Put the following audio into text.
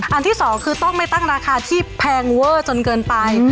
ที่สองคือต้องไม่ตั้งราคาที่แพงเวอร์จนเกินไป